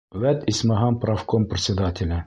Вәт, исмаһам, профком председателе!